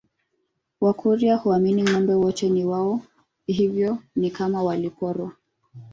Wakurya huamini ngombe wote ni wao hivyo ni kama waliporwa